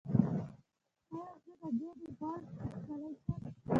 ایا زه د ګیډې غوړ ایستلی شم؟